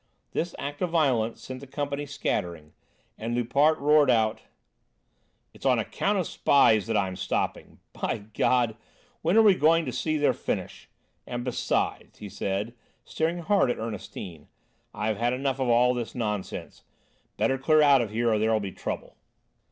This act of violence sent the company scattering, and Loupart roared out: "It's on account of spies that I'm stopping! By God! When are we going to see their finish? And besides," he added, staring hard at Ernestine, "I've had enough of all this nonsense; better clear out of here or there'll be trouble."